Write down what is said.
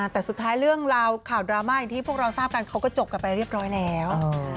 แต่สุดท้ายเรื่องราวข่าวดราม่าอย่างที่พวกเราทราบกันเขาก็จบกันไปเรียบร้อยแล้ว